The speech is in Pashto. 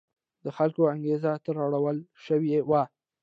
د خلکو انګېزه تروړل شوې وه.